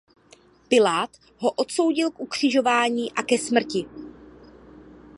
Pilát ho odsoudil k ukřižování a ke smrti.